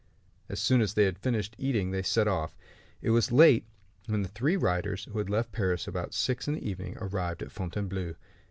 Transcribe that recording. As soon as they had finished eating they set off. It was late when the three riders, who had left Paris about six in the evening, arrived at Fontainebleau.